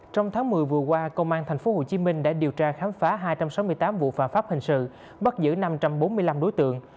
trong tháng một mươi vừa qua công an tp hcm đã điều tra khám phá hai trăm sáu mươi tám vụ phạm pháp hình sự bắt giữ năm trăm bốn mươi năm đối tượng